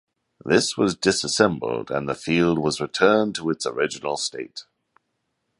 This was disassembled and the field was returned to its original state.